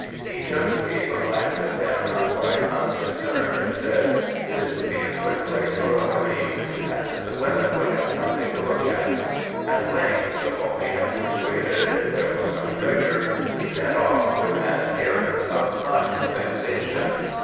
He just gave a glance at them, quite un concerned, and said, " This would be a good place for a harem, as the women would have something to look at." At length, though only half persuaded there was no treasure, he set off with an ap pearance of much vexation.